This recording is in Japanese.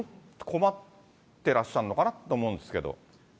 困ってらっしゃるのかなって思うんですけど。